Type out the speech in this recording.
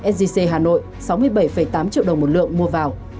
sgc hà nội sáu mươi bảy tám triệu đồng một lượng mua vào